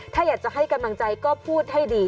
ถ้าอยากจะให้กำลังใจก็พูดให้ดี